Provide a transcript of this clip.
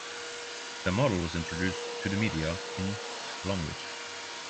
The model was introduced to the media in Longreach.